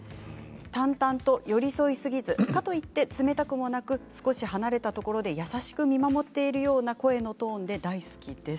淡々と寄り添いすぎずかと言って冷たくもなく少し離れたところで優しく見守っているようなトーンで大好きです。